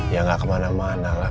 ya gak kemana mana lah